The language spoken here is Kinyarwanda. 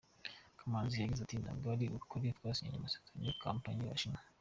Kamanzi yagize ati “Ntabwo ari ukuri ko twasinyanye amasezerano na Kompanyi y’Abashinwa”.